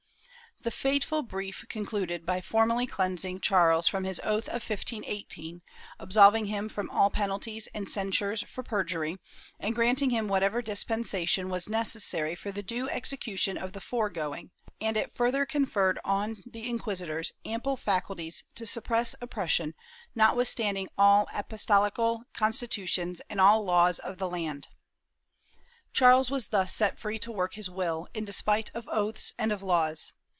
The fateful brief concluded by formally releasing Charles from his oath of 1518, absolving him from all penalties and cen sures for perjury, and granting him whatever dispensation was necessary for the due execution of the foregoing, and it further conferred on the inquisitors ample faculties to suppress opposition, notwithstanding all apostolical constitutions and all laws of the land.^ Charles was thus set free to work his will, in despite of oaths and of laws.